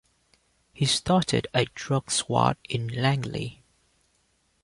He started a drug squad in Langley.